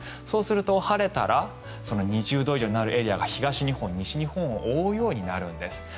そうすると晴れたら２０度以上になるエリアが東日本、西日本を覆うようになるんです。